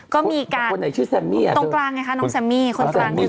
ก็มีการตรงกลางไงคะน้องแซมมี่คือน้องแซมมี่